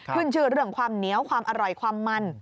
ขึ้นชื่อเรื่องความเหนียวความอร่อยความมัน